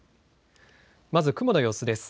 まず雲の様子です。